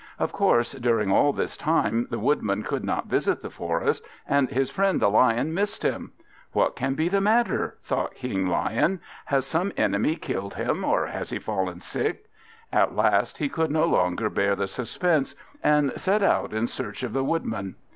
Of course during all this time the Woodman could not visit the forest, and his friend the Lion missed him. "What can be the matter," thought King Lion. "Has some enemy killed him, or has he fallen sick?" At last he could no longer bear the suspense, and set out in search of the Woodman.